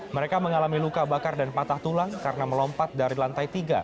mereka mengalami luka bakar dan patah tulang karena melompat dari lantai tiga